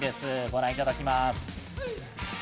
ご覧いただきます。